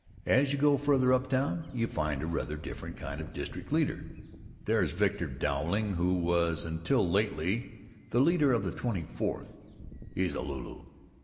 As you go farther uptown you find a rather different kind of district leader. There's Victor Dowling who was until lately the leader of the Twenty fourth. He's a lulu.